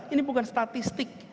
ini bukan statistik